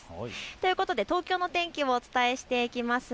ということで東京の天気もお伝えしていきます。